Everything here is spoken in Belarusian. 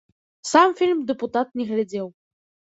Сам фільм дэпутат не глядзеў.